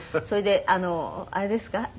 それであのあれですか？